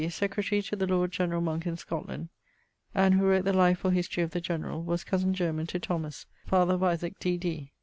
secretary to the lord generall Monke in Scotland, and who wrote the life or history of the generall, was cosen german to Thomas (father of Isaac, D.D.).